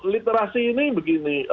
literasi ini begini